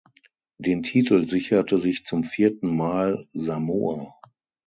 Den Titel sicherte sich zum vierten Mal Samoa.